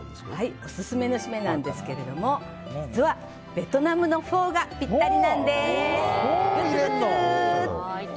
オススメのシメですが実はベトナムのフォーがぴったりなんです。